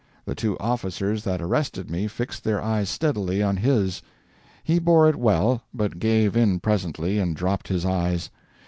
The two officers that arrested me fixed their eyes steadily on his; he bore it well, but gave in presently, and dropped his eyes.